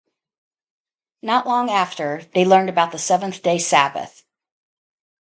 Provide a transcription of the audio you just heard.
Not long after they learned about the seventh-day Sabbath.